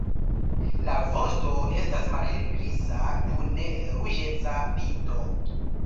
La vosto estas malhelgriza kun ruĝeca pinto.